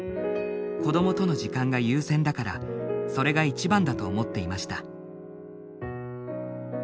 子どもとの時間が優先だからそれが一番だと思っていました。